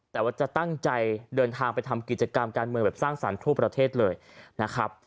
แต่ว่าจะตั้งใจเดินทางไปทำกิจกรรมการเมืองแบบสร้างสรรค์ทั่วประเทศเลยนะครับ